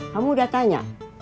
kamu udah tanya